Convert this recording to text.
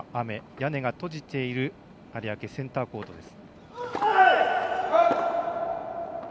屋根が閉じている有明センターコートです。